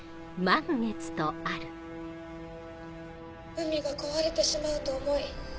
海が壊れてしまうと思い